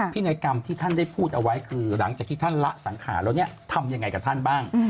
นัยกรรมที่ท่านได้พูดเอาไว้คือหลังจากที่ท่านละสังขารแล้วเนี่ยทำยังไงกับท่านบ้าง